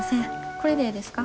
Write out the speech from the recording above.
これでええですか？